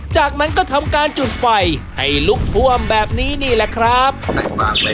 จากนั้นก็ทำการจุดไฟให้ลุกท่วมแบบนี้นี่แหละครับ